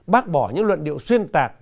bác bỏ những luận điệu xuyên tạc